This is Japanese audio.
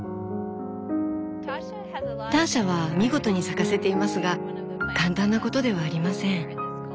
ターシャは見事に咲かせていますが簡単なことではありません。